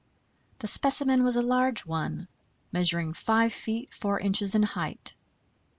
This specimen was a large one, measuring 5 feet 4 inches in height.